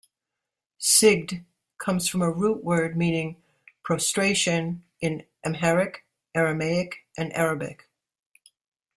"Sigd" comes from a root word meaning prostration in Amharic, Aramaic, and Arabic.